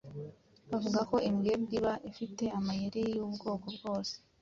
Bavuga ko imbwebwe iba ifite amayeri yubwoko bwose .